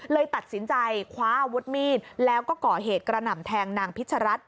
เลยตัดสินใจคว้าอาวุธมีดแล้วก็ก่อเหตุกระหน่ำแทงนางพิชรัฐ